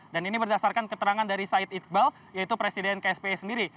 dan ini berdasarkan keterangan dari said iqbal yaitu presiden ksp sendiri